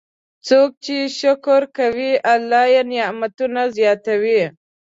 څوک چې شکر کوي، الله یې نعمتونه زیاتوي.